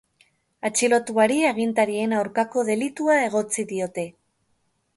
Atxilotuari agintarien aurkako delitua egotzi diote.